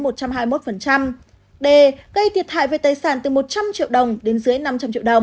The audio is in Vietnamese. d gây thiệt hại về tài sản từ một trăm linh triệu đồng đến dưới năm trăm linh triệu đồng